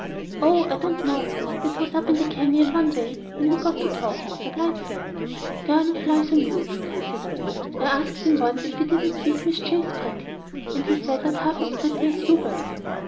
"Oh, I don't know; it was up in the canyon one day when we got to talking," replied Phil. "There are no flies on you, he considers. I asked him once if he didn't think Miss Chase pretty, and he said not half so pretty as you were."